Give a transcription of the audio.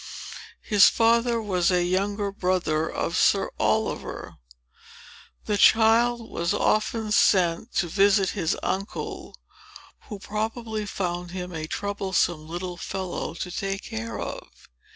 His father was a younger brother of Sir Oliver. The child was often sent to visit his uncle, who probably found him a troublesome little fellow to take care of.